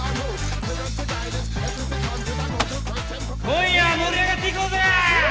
「今夜は盛り上がっていこうぜ！」